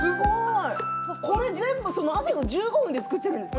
これ全部朝の１５分で作ってるんですか。